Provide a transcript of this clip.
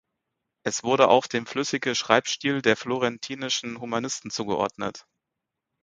Es wurde auch dem flüssige Schreibstil der florentinischen Humanisten zugeordnet.